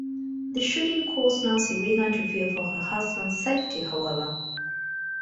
The shooting caused Nancy Reagan to fear for her husband's safety, however.